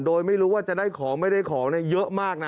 โดยไม่รู้ว่าจะได้ของไม่ได้ของเยอะมากนะ